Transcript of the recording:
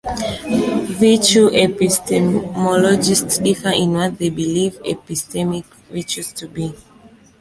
Virtue epistemologists differ in what they believe epistemic virtues to be.